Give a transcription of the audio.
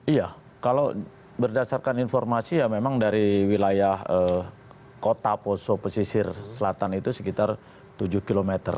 iya kalau berdasarkan informasi ya memang dari wilayah kota poso pesisir selatan itu sekitar tujuh km